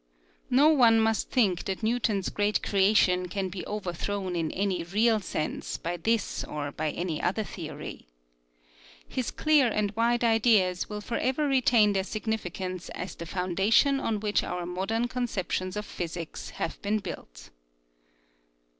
No one must think that Newton's great creation can be overthrown in any real sense by this or by any other theory. His clear and wide ideas will for ever retain their signifi cance as the foundation on which our modern conceptions of physics have been built.